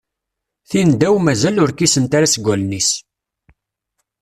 Tindaw mazal ur kkisent ara seg wallen-is.